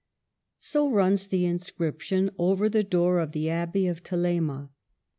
So runs the inscription over the door of the Abbey of Thelema.